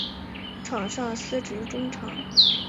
场上司职中场。